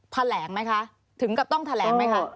แถลงไหมคะถึงกับต้องแถลงไหมคะ